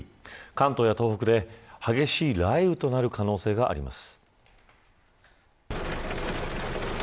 関東や東北で激しい雷雨となる可能性があります。